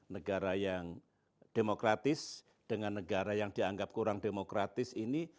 negara yang demokratis dengan negara yang dianggap kurang demokratis ini